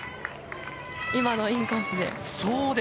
今のインコースで。